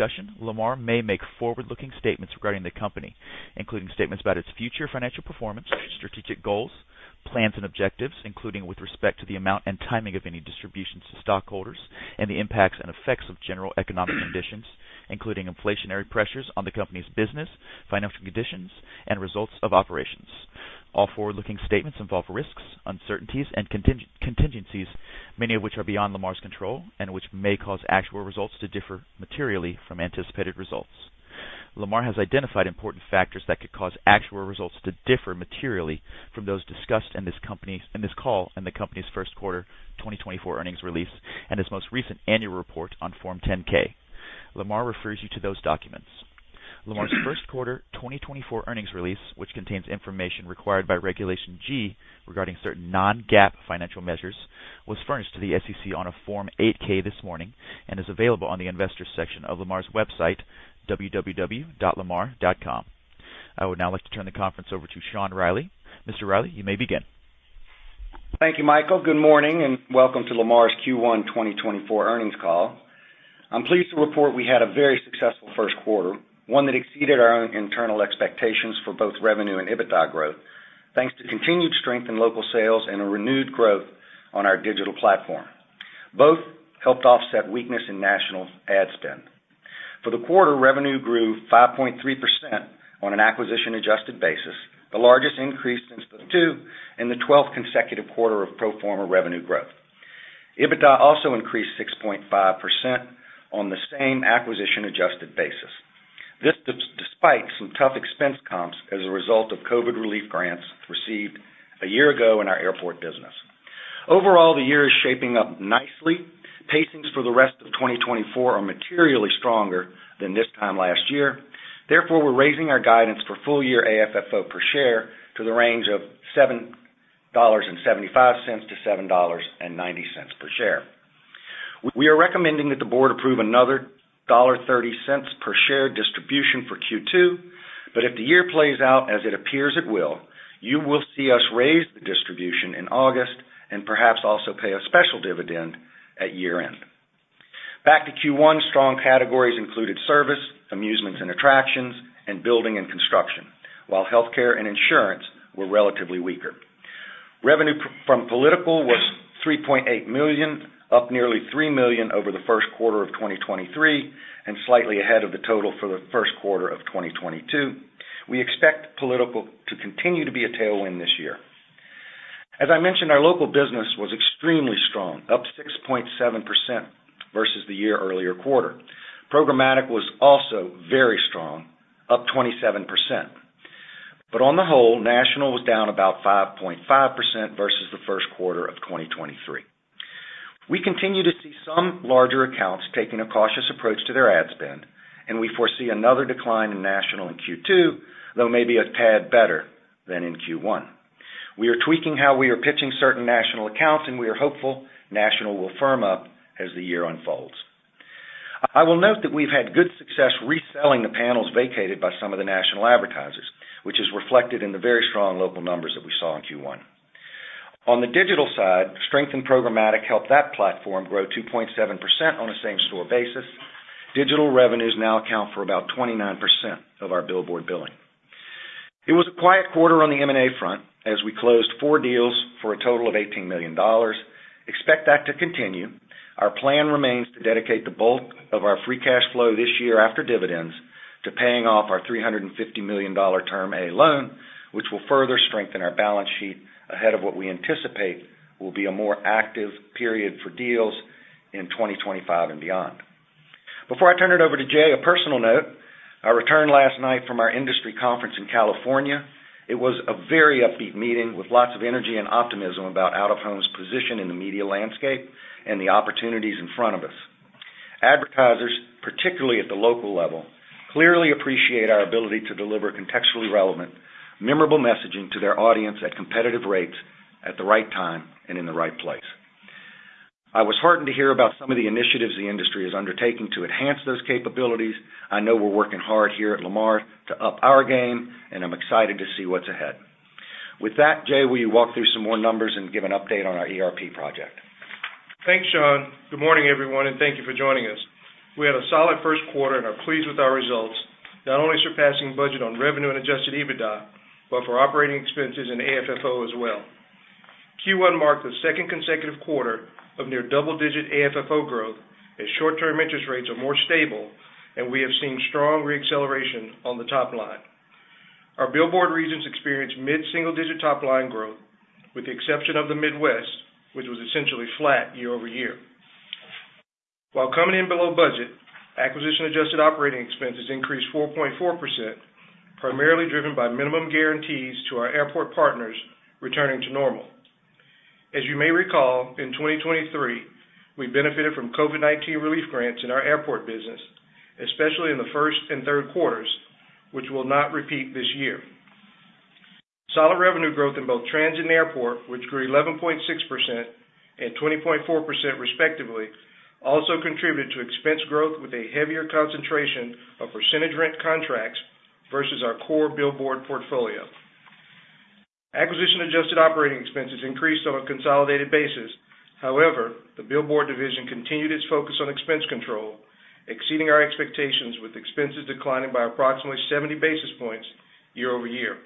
Discussion: Lamar may make forward-looking statements regarding the company, including statements about its future financial performance, strategic goals, plans and objectives including with respect to the amount and timing of any distributions to stockholders, and the impacts and effects of general economic conditions including inflationary pressures on the company's business, financial conditions, and results of operations. All forward-looking statements involve risks, uncertainties, and contingencies, many of which are beyond Lamar's control and which may cause actual results to differ materially from anticipated results. Lamar has identified important factors that could cause actual results to differ materially from those discussed in this call and the company's first quarter 2024 earnings release and its most recent annual report on Form 10-K. Lamar refers you to those documents. Lamar's first quarter 2024 earnings release, which contains information required by Regulation G regarding certain non-GAAP financial measures, was furnished to the SEC on a Form 8-K this morning and is available on the investors section of Lamar's website, www.lamar.com. I would now like to turn the conference over to Sean Reilly. Mr. Reilly, you may begin. Thank you, Michael. Good morning and welcome to Lamar's Q1 2024 earnings call. I'm pleased to report we had a very successful first quarter, one that exceeded our internal expectations for both revenue and EBITDA growth, thanks to continued strength in local sales and a renewed growth on our digital platform. Both helped offset weakness in national ad spend. For the quarter, revenue grew 5.3% on an acquisition-adjusted basis, the largest increase since the second and the 12th consecutive quarter of pro forma revenue growth. EBITDA also increased 6.5% on the same acquisition-adjusted basis, despite some tough expense comps as a result of COVID relief grants received a year ago in our airport business. Overall, the year is shaping up nicely. Pacings for the rest of 2024 are materially stronger than this time last year. Therefore, we're raising our guidance for full-year AFFO per share to the range of $7.75-$7.90 per share. We are recommending that the board approve another $1.30 per share distribution for Q2, but if the year plays out as it appears it will, you will see us raise the distribution in August and perhaps also pay a special dividend at year-end. Back to Q1, strong categories included service, amusements and attractions, and building and construction, while healthcare and insurance were relatively weaker. Revenue from political was $3.8 million, up nearly $3 million over the first quarter of 2023 and slightly ahead of the total for the first quarter of 2022. We expect political to continue to be a tailwind this year. As I mentioned, our local business was extremely strong, up 6.7% versus the year earlier quarter. Programmatic was also very strong, up 27%. But on the whole, national was down about 5.5% versus the first quarter of 2023. We continue to see some larger accounts taking a cautious approach to their ad spend, and we foresee another decline in national in Q2, though maybe a tad better than in Q1. We are tweaking how we are pitching certain national accounts, and we are hopeful national will firm up as the year unfolds. I will note that we've had good success reselling the panels vacated by some of the national advertisers, which is reflected in the very strong local numbers that we saw in Q1. On the digital side, strength in programmatic helped that platform grow 2.7% on a same-store basis. Digital revenues now account for about 29% of our billboard billing. It was a quiet quarter on the M&A front as we closed four deals for a total of $18 million. Expect that to continue. Our plan remains to dedicate the bulk of our free cash flow this year after dividends to paying off our $350 million Term Loan A, which will further strengthen our balance sheet ahead of what we anticipate will be a more active period for deals in 2025 and beyond. Before I turn it over to Jay, a personal note: I returned last night from our industry conference in California. It was a very upbeat meeting with lots of energy and optimism about out-of-home's position in the media landscape and the opportunities in front of us. Advertisers, particularly at the local level, clearly appreciate our ability to deliver contextually relevant, memorable messaging to their audience at competitive rates, at the right time, and in the right place. I was heartened to hear about some of the initiatives the industry is undertaking to enhance those capabilities. I know we're working hard here at Lamar to up our game, and I'm excited to see what's ahead. With that, Jay, will you walk through some more numbers and give an update on our ERP project? Thanks, Sean. Good morning, everyone, and thank you for joining us. We had a solid first quarter and are pleased with our results, not only surpassing budget on revenue and adjusted EBITDA, but for operating expenses and AFFO as well. Q1 marked the second consecutive quarter of near double-digit AFFO growth as short-term interest rates are more stable, and we have seen strong reacceleration on the top line. Our billboard regions experienced mid-single-digit top line growth, with the exception of the Midwest, which was essentially flat year-over-year. While coming in below budget, acquisition-adjusted operating expenses increased 4.4%, primarily driven by minimum guarantees to our airport partners returning to normal. As you may recall, in 2023, we benefited from COVID-19 relief grants in our airport business, especially in the first and third quarters, which will not repeat this year. Solid revenue growth in both transit and airport, which grew 11.6% and 20.4% respectively, also contributed to expense growth with a heavier concentration of percentage rent contracts versus our core billboard portfolio. Acquisition-adjusted operating expenses increased on a consolidated basis. However, the billboard division continued its focus on expense control, exceeding our expectations with expenses declining by approximately 70 basis points year-over-year.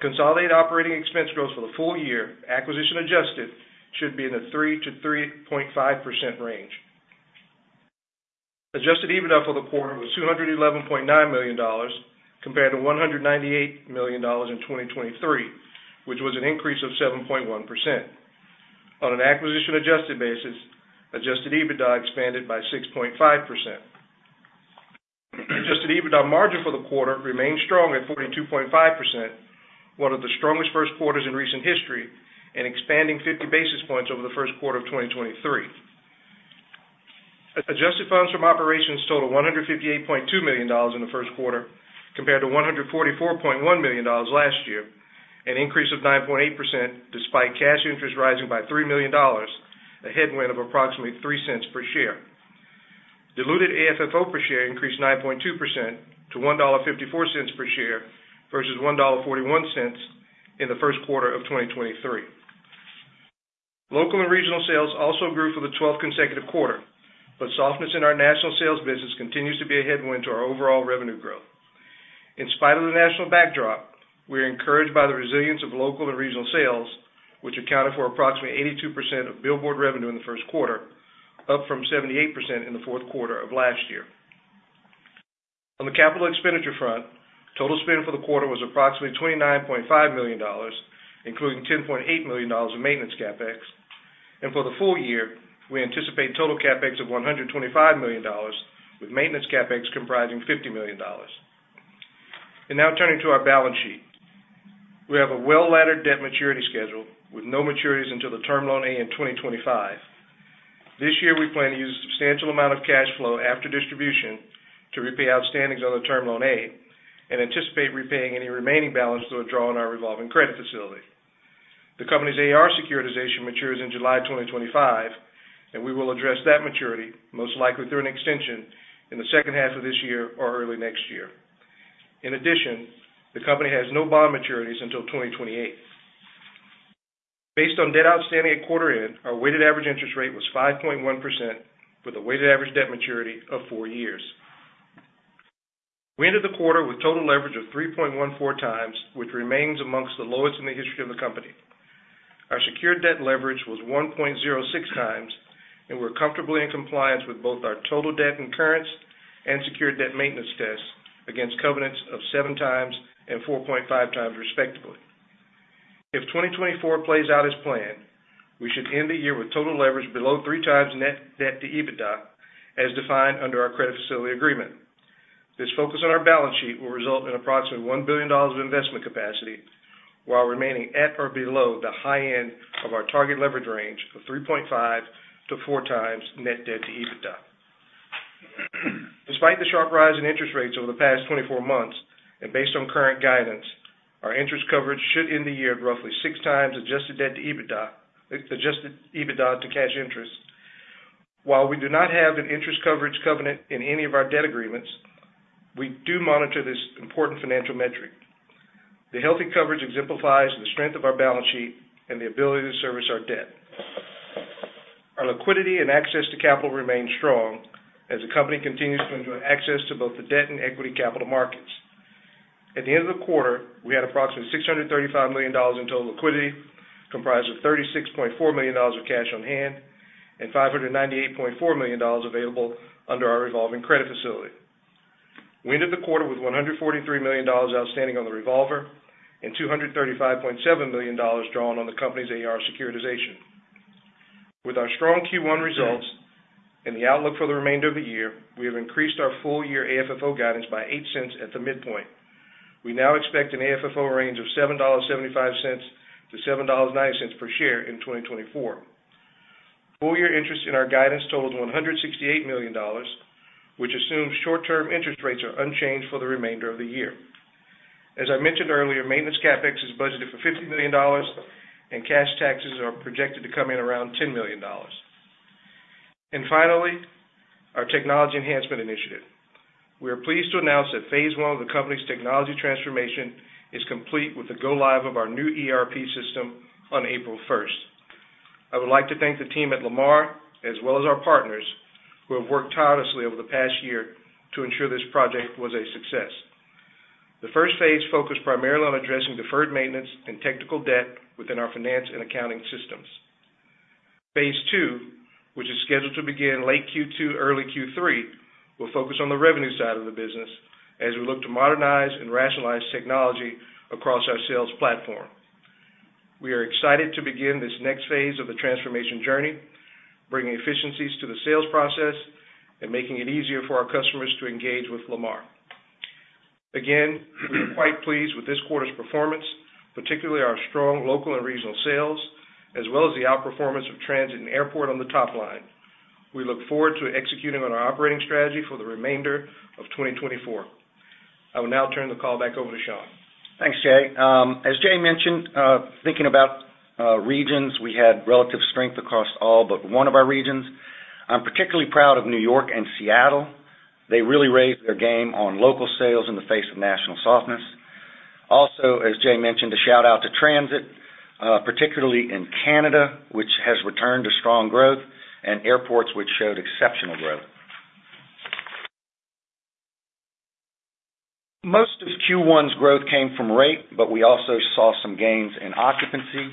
Consolidated operating expense growth for the full year, acquisition-adjusted, should be in the 3%-3.5% range. Adjusted EBITDA for the quarter was $211.9 million compared to $198 million in 2023, which was an increase of 7.1%. On an acquisition-adjusted basis, adjusted EBITDA expanded by 6.5%. Adjusted EBITDA margin for the quarter remained strong at 42.5%, one of the strongest first quarters in recent history, and expanding 50 basis points over the first quarter of 2023. Adjusted Funds From Operations totaled $158.2 million in the first quarter compared to $144.1 million last year, an increase of 9.8% despite cash interest rising by $3 million, a headwind of approximately $0.03 per share. Diluted AFFO per share increased 9.2% to $1.54 per share versus $1.41 in the first quarter of 2023. Local and regional sales also grew for the 12th consecutive quarter, but softness in our national sales business continues to be a headwind to our overall revenue growth. In spite of the national backdrop, we are encouraged by the resilience of local and regional sales, which accounted for approximately 82% of billboard revenue in the first quarter, up from 78% in the fourth quarter of last year. On the capital expenditure front, total spend for the quarter was approximately $29.5 million, including $10.8 million in maintenance CapEx. For the full year, we anticipate total CapEx of $125 million, with maintenance CapEx comprising $50 million. Now turning to our balance sheet. We have a well-laddered debt maturity schedule with no maturities until the Term Loan A in 2025. This year, we plan to use a substantial amount of cash flow after distribution to repay outstandings on the Term Loan A and anticipate repaying any remaining balance through a draw in our revolving credit facility. The company's AR securitization matures in July 2025, and we will address that maturity, most likely through an extension in the second half of this year or early next year. In addition, the company has no bond maturities until 2028. Based on debt outstanding at quarter end, our weighted average interest rate was 5.1% with a weighted average debt maturity of four years. We ended the quarter with total leverage of 3.14x, which remains among the lowest in the history of the company. Our secured debt leverage was 1.06x, and we're comfortably in compliance with both our total debt incurrence and secured debt maintenance tests against covenants of 7x and 4.5x respectively. If 2024 plays out as planned, we should end the year with total leverage below 3x net debt to EBITDA as defined under our credit facility agreement. This focus on our balance sheet will result in approximately $1 billion of investment capacity while remaining at or below the high end of our target leverage range of 3.5x-4x net debt to EBITDA. Despite the sharp rise in interest rates over the past 24 months and based on current guidance, our interest coverage should end the year at roughly 6x adjusted EBITDA to cash interest. While we do not have an interest coverage covenant in any of our debt agreements, we do monitor this important financial metric. The healthy coverage exemplifies the strength of our balance sheet and the ability to service our debt. Our liquidity and access to capital remain strong as the company continues to enjoy access to both the debt and equity capital markets. At the end of the quarter, we had approximately $635 million in total liquidity comprised of $36.4 million of cash on hand and $598.4 million available under our revolving credit facility. We ended the quarter with $143 million outstanding on the revolver and $235.7 million drawn on the company's AR securitization. With our strong Q1 results and the outlook for the remainder of the year, we have increased our full-year AFFO guidance by $0.08 at the midpoint. We now expect an AFFO range of $7.75-$7.90 per share in 2024. Full-year interest in our guidance totaled $168 million, which assumes short-term interest rates are unchanged for the remainder of the year. As I mentioned earlier, maintenance CapEx is budgeted for $50 million, and cash taxes are projected to come in around $10 million. Finally, our technology enhancement initiative. We are pleased to announce that phase I of the company's technology transformation is complete with the go-live of our new ERP system on April 1st. I would like to thank the team at Lamar as well as our partners who have worked tirelessly over the past year to ensure this project was a success. The first phase focused primarily on addressing deferred maintenance and technical debt within our finance and accounting systems. Phase II, which is scheduled to begin late Q2, early Q3, will focus on the revenue side of the business as we look to modernize and rationalize technology across our sales platform. We are excited to begin this next phase of the transformation journey, bringing efficiencies to the sales process and making it easier for our customers to engage with Lamar. Again, we are quite pleased with this quarter's performance, particularly our strong local and regional sales, as well as the outperformance of transit and airport on the top line. We look forward to executing on our operating strategy for the remainder of 2024. I will now turn the call back over to Sean. Thanks, Jay. As Jay mentioned, thinking about regions, we had relative strength across all but one of our regions. I'm particularly proud of New York and Seattle. They really raised their game on local sales in the face of national softness. Also, as Jay mentioned, a shout-out to transit, particularly in Canada, which has returned to strong growth, and airports which showed exceptional growth. Most of Q1's growth came from rate, but we also saw some gains in occupancy.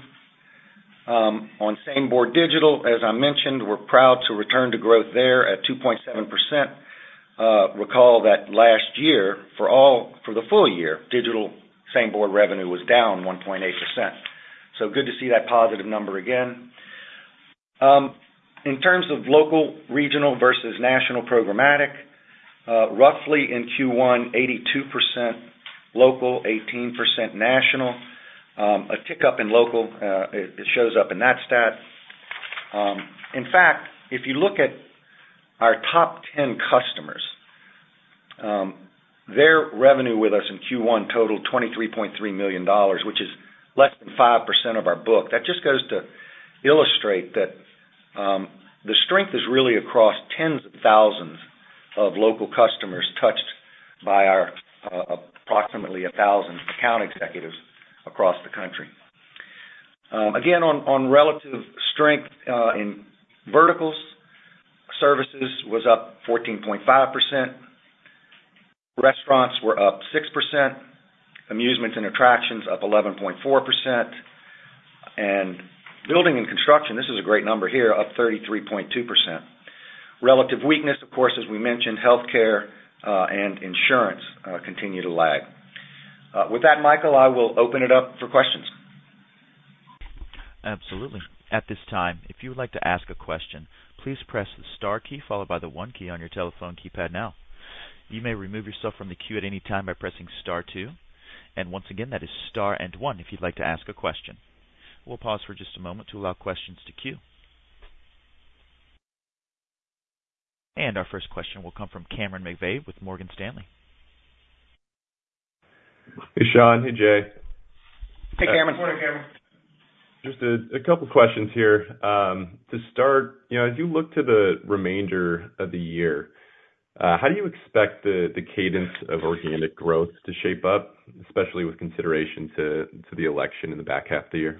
On Same-Board Digital, as I mentioned, we're proud to return to growth there at 2.7%. Recall that last year, for the full year, digital Same-Board revenue was down 1.8%. So good to see that positive number again. In terms of local, regional versus national programmatic, roughly in Q1, 82% local, 18% national. A tick up in local, it shows up in that stat. In fact, if you look at our top 10 customers, their revenue with us in Q1 totaled $23.3 million, which is less than 5% of our book. That just goes to illustrate that the strength is really across tens of thousands of local customers touched by our approximately 1,000 account executives across the country. Again, on relative strength in verticals, services was up 14.5%. Restaurants were up 6%. Amusements and attractions up 11.4%. And building and construction, this is a great number here, up 33.2%. Relative weakness, of course, as we mentioned, healthcare and insurance continue to lag. With that, Michael, I will open it up for questions. Absolutely. At this time, if you would like to ask a question, please press the star key followed by the one key on your telephone keypad now. You may remove yourself from the queue at any time by pressing star two. And once again, that is star and one if you'd like to ask a question. We'll pause for just a moment to allow questions to queue. And our first question will come from Cameron McVeigh with Morgan Stanley. Hey, Sean. Hey, Jay. Hey, Cameron. Good morning, Cameron. Just a couple of questions here. To start, as you look to the remainder of the year, how do you expect the cadence of organic growth to shape up, especially with consideration to the election in the back half of the year?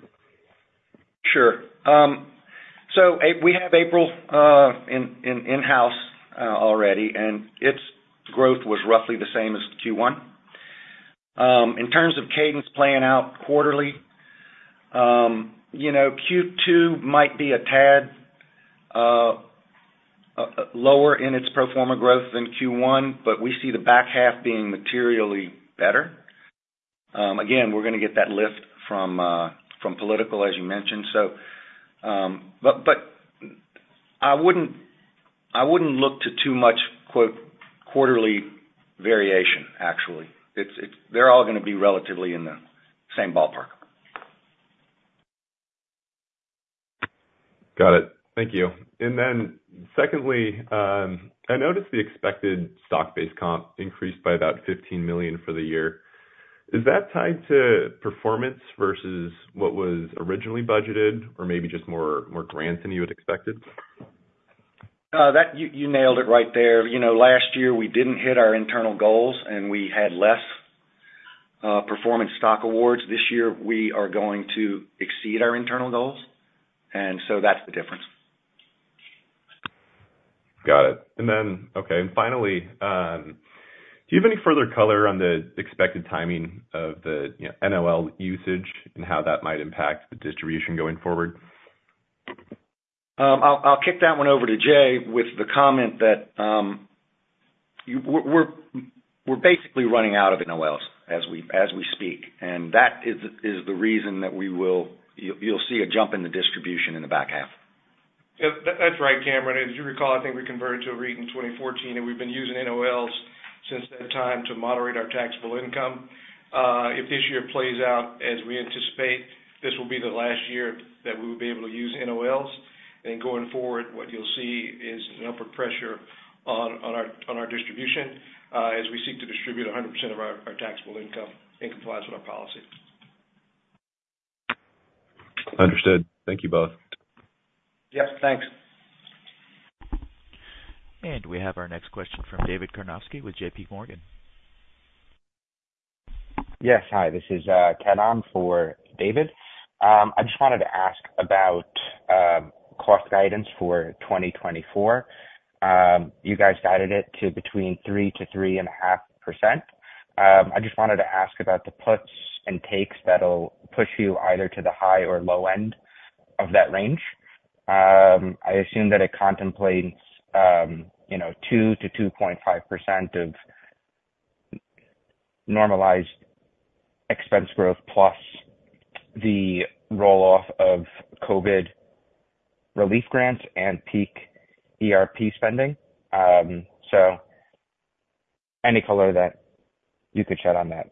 Sure. So we have April in-house already, and its growth was roughly the same as Q1. In terms of cadence playing out quarterly, Q2 might be a tad lower in its pro forma growth than Q1, but we see the back half being materially better. Again, we're going to get that lift from political, as you mentioned. But I wouldn't look to too much "quarterly variation," actually. They're all going to be relatively in the same ballpark. Got it. Thank you. And then secondly, I noticed the expected stock-based comp increased by about $15 million for the year. Is that tied to performance versus what was originally budgeted or maybe just more grants than you had expected? You nailed it right there. Last year, we didn't hit our internal goals, and we had less performance stock awards. This year, we are going to exceed our internal goals. And so that's the difference. Got it. Okay. And finally, do you have any further color on the expected timing of the NOL usage and how that might impact the distribution going forward? I'll kick that one over to Jay with the comment that we're basically running out of NOLs as we speak. That is the reason that you'll see a jump in the distribution in the back half. Yeah, that's right, Cameron. As you recall, I think we converted to a REIT in 2014, and we've been using NOLs since that time to moderate our taxable income. If this year plays out as we anticipate, this will be the last year that we will be able to use NOLs. And going forward, what you'll see is an upward pressure on our distribution as we seek to distribute 100% of our taxable income in compliance with our policy. Understood. Thank you both. Yep. Thanks. We have our next question from David Karnovsky with J.P. Morgan. Yes. Hi. This is Chetan for David. I just wanted to ask about cost guidance for 2024. You guys guided it to between 3%-3.5%. I just wanted to ask about the puts and takes that'll push you either to the high or low end of that range. I assume that it contemplates 2%-2.5% of normalized expense growth plus the rolloff of COVID relief grants and peak ERP spending. So any color that you could shed on that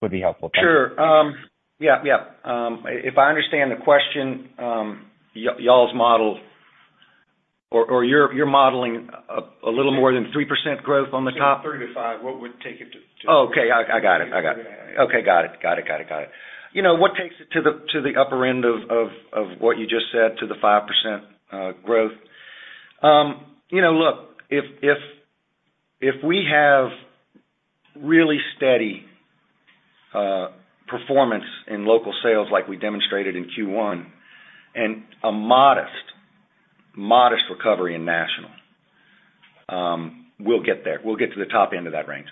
would be helpful. Thank you. Sure. Yeah. Yeah. If I understand the question, y'all's model or you're modeling a little more than 3% growth on the top? Yeah, 3%-5%. What would take it to? Oh, okay. I got it. What takes it to the upper end of what you just said, to the 5% growth? Look, if we have really steady performance in local sales like we demonstrated in Q1 and a modest recovery in national, we'll get there. We'll get to the top end of that range.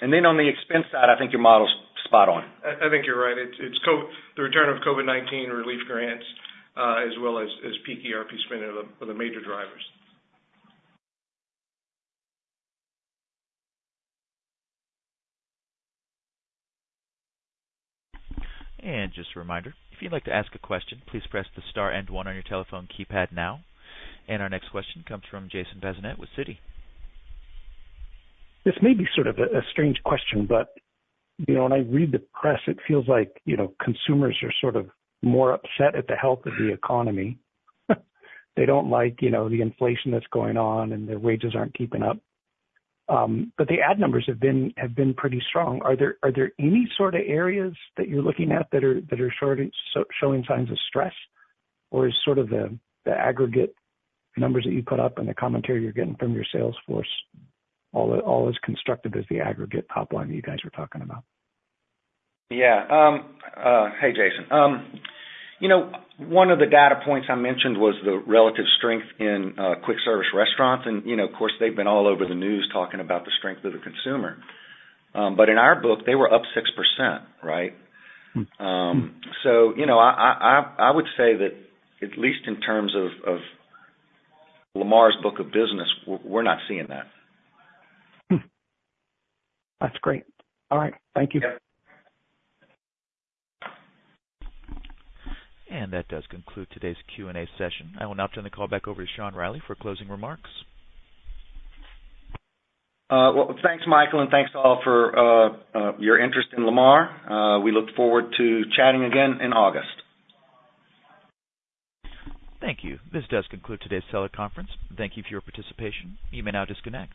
And then on the expense side, I think your model's spot on. I think you're right. It's the return of COVID-19 relief grants as well as peak ERP spending are the major drivers. Just a reminder, if you'd like to ask a question, please press the star and one on your telephone keypad now. Our next question comes from Jason Bazinet with Citi. This may be sort of a strange question, but when I read the press, it feels like consumers are sort of more upset at the health of the economy. They don't like the inflation that's going on, and their wages aren't keeping up. But the ad numbers have been pretty strong. Are there any sort of areas that you're looking at that are showing signs of stress, or is sort of the aggregate numbers that you put up and the commentary you're getting from your sales force all as constructive as the aggregate top line that you guys were talking about? Yeah. Hey, Jason. One of the data points I mentioned was the relative strength in quick-service restaurants. And of course, they've been all over the news talking about the strength of the consumer. But in our book, they were up 6%, right? So I would say that at least in terms of Lamar's book of business, we're not seeing that. That's great. All right. Thank you. That does conclude today's Q&A session. I will now turn the call back over to Sean Reilly for closing remarks. Well, thanks, Michael, and thanks all for your interest in Lamar. We look forward to chatting again in August. Thank you. This does conclude today's teleconference. Thank you for your participation. You may now disconnect.